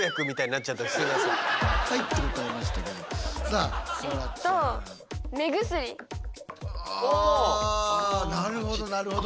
あなるほどなるほど。